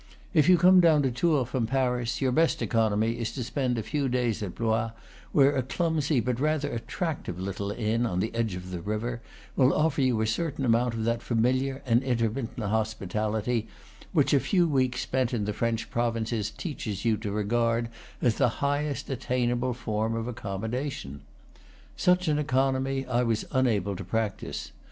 If you come down to Tours from Paris, your best economy is to spend a few days at Blois, where a clumsy, but rather attractive little inn, on the edge of the river, will offer you a certain amount of that familiar and intermittent hospitality which a few weeks spent in the French provinces teaches you to regard as the highest attainable form of accommodation. Such an economy I was unable to practise.